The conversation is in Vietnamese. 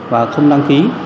và không đăng ký